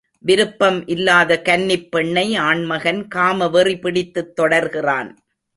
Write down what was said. விருப்பம் இல்லாத கன்னிப் பெண்ணை ஆண்மகன் காமவெறி பிடித்துத் தொடர்கிறான்.